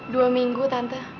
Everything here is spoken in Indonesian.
dua minggu tante